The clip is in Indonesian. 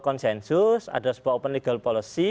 konsensus ada sebuah open legal policy